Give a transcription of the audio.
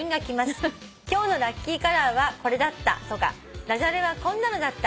「『今日のラッキーカラーはこれだった』とか『駄じゃれはこんなのだった。